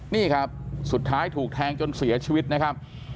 นี่ครับสุดท้ายถูกแทงจนเสียชีวิตนะครับ